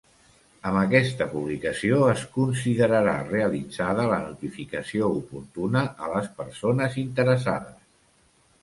Amb aquesta publicació es considerarà realitzada la notificació oportuna a les persones interessades.